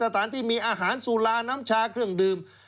สถานที่มีอาหารสุราน้ำชาเครื่องดื่ม